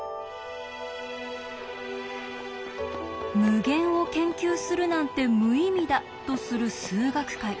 無限を研究するなんて無意味だとする数学界。